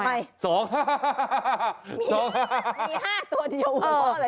มี๕ตัวเดียว